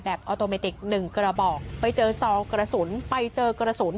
ออโตเมติกหนึ่งกระบอกไปเจอซองกระสุนไปเจอกระสุน